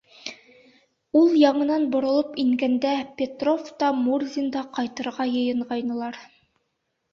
Ул яңынан боролоп ингәндә, Петров та, Мурзин да ҡайтырға йыйынғайнылар.